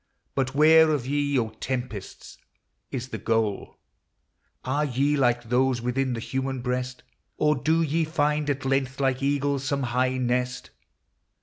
But where of ye, O tempests ! is the goal ? Are ye like those within the human breast? Or do ye find, at length, like eagles, some high nest